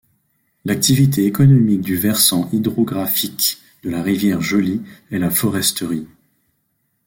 L’activité économique du versant hydrographique de la Rivière Jolie est la foresterie.